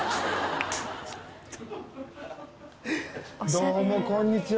どうもこんにちは。